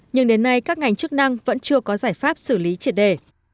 nhưng đến nay các ngành chức năng vẫn chưa có giải pháp xử lý triệt đề